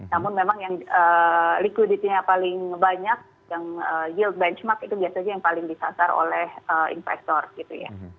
namun memang yang liquidity nya paling banyak yang yield benchmark itu biasanya yang paling disasar oleh investor gitu ya